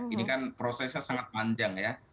ini kan prosesnya sangat panjang ya